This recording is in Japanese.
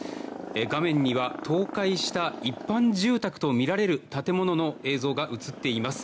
画面には、倒壊した一般住宅とみられる建物の映像が映っています。